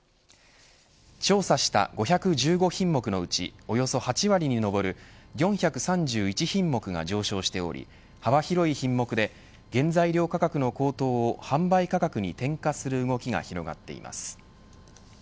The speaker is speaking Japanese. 調査した５１５品目のうちおよそ８割に上る４３１品目が上昇しており幅広い品目で原材料価格の高騰を販売価格に転嫁する動きが広がっています。